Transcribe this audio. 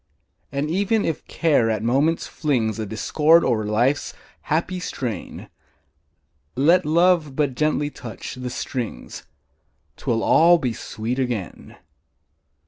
And even if Care at moments flings A discord o'er life's happy strain, Let Love but gently touch the strings, 'Twill all be sweet again!